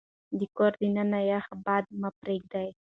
د کور دننه يخ باد مه پرېږدئ.